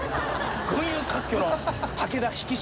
群雄割拠の武田ひき。